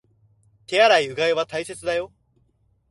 手洗い、うがいは大切だよ